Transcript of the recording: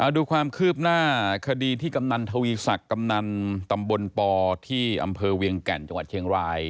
ดูความคืบหน้าคดีที่กำนันทวีศักดิ์กำนันตำบลปที่อำเภอเวียงแก่นจังหวัดเชียงราย